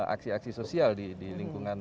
aksi aksi sosial di lingkungan